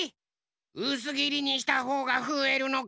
うすぎりにしたほうがふえるのか。